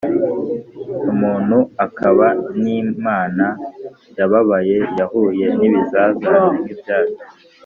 umuntu akaba n’imana yababaye, yahuye n’ibizazane nk’ibyacu,